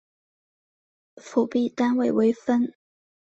辅币单位为分。